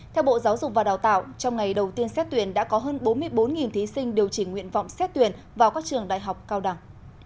theo bộ giáo dục và đào tạo trong ngày đầu tiên xét tuyển đã có hơn bốn mươi bốn thí sinh điều chỉnh nguyện vọng xét tuyển vào các trường đại học cao đẳng